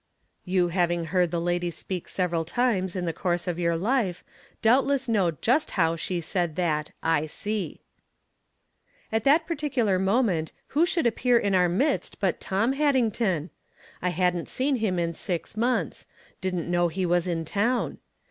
You having heard the lady speak several times in the course of your life, doubtless know just how she said that "I see." At that particular moment who should appear in our midst but Tom Haddington ! I hadn't seen him in six months ; didn't know he was in town.